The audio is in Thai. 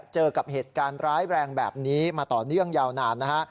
เจอกับเหตุการณ์ร้ายแรงแบบนี้มาต่อเนื่องยาวนานนะฮะ